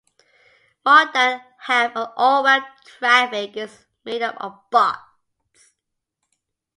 More than half of all web traffic is made up of bots.